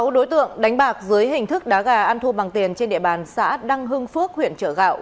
sáu đối tượng đánh bạc dưới hình thức đá gà ăn thua bằng tiền trên địa bàn xã đăng hưng phước huyện trợ gạo